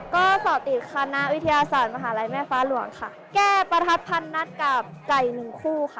ก็สอติคณะวิทยาศาสตร์มหาลัยแม่ฟ้าหลวงค่ะแก้ประทัดพันนัดกับไก่หนึ่งคู่ค่ะ